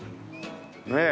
ねえ。